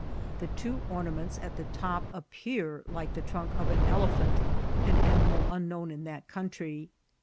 The two ornaments at die top appear like the trunk of an elephant, an animal im^ known in that ooimtry.